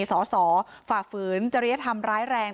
สมครรภ์ฝ่าฝืนจริยธรรมร้ายแรง